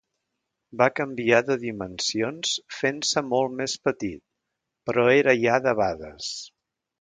Va canviar de dimensions fent-se molt més petit, però era ja debades.